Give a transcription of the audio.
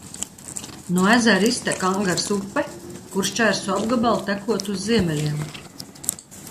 No ezera iztek Angaras upe, kura šķērso apgabalu tekot uz ziemeļiem.